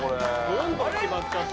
どんどん決まっちゃった。